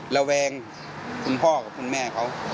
ระแวงคุณพ่อกับคุณแม่เขา